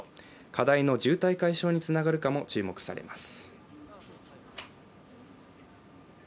課題の渋滞解消につながるかも注目されます。